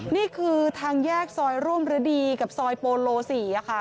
นี่คือทางแยกซอยร่วมฤดีกับซอยโปโล๔ค่ะ